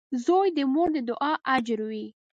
• زوی د مور د دعا اجر وي.